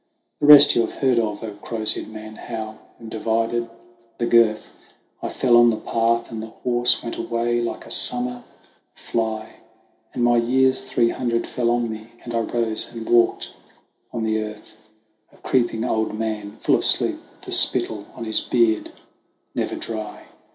The rest you have heard of, croziered one ; how, when divided the girth, I fell on the path, and the horse went away like a summer fly ; THE WANDERINGS OF OISIN 145 And my years three hundred fell on me, and I rose, and walked on the earth, A creeping old man, full of sleep, with the spittle on his beard never dry.